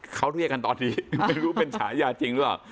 เขาเรียกกันตอนนี้ไม่รู้เป็นฉายาจริงหรือเปล่า